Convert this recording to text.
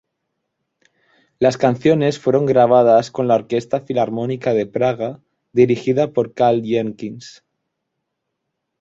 Las canciones fueron grabadas con la Orquesta Filarmónica de Praga, dirigida por Karl Jenkins.